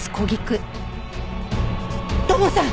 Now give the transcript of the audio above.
土門さん！